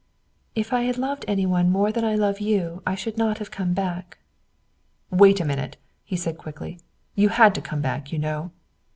"If I had loved any one more than I loved you I should not have come back." "Wait a minute!" he said quickly. "You had to come back, you know."